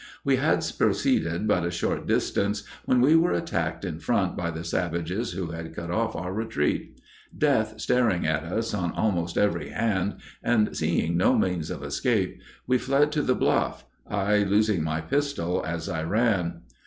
We had proceeded but a short distance when we were attacked in front by the savages who had cut off our retreat. Death staring at us on almost every hand, and seeing no means of escape, we fled to the bluff, I losing my pistol as I ran.